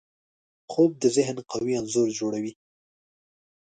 خوب د ذهن قوي انځور جوړوي